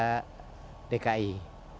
yang berada di dki